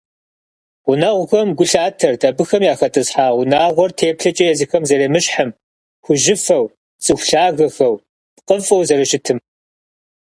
Гъунэгъухэм гу лъатэрт абыхэм яхэтӀысхьа унагъуэр теплъэкӀэ езыхэм зэремыщхьым, хужьыфэу, цӀыху лъагэхэу, пкъыфӀэу зэрыщытым.